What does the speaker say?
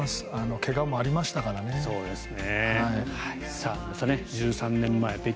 怪我もありましたからね。